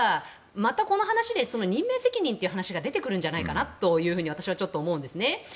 またこの話で任命責任という話が出てくるんじゃないかなと私は思うんですね。